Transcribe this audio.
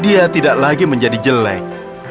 dia tidak lagi menjadi jelek